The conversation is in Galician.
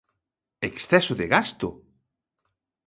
¿Exceso de gasto?